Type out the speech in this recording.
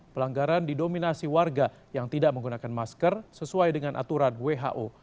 pelanggaran didominasi warga yang tidak menggunakan masker sesuai dengan aturan who